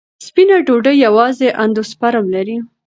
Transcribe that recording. سپینه ډوډۍ یوازې اندوسپرم لري.